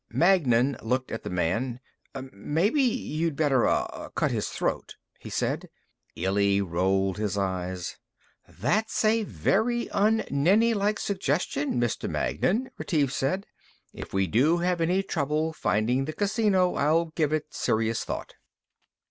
Magnan looked at the man. "Maybe you'd better, uh, cut his throat," he said. Illy rolled his eyes. "That's a very un Nenni like suggestion, Mr. Magnan," Retief said. "If we have any trouble finding the casino, I'll give it serious thought."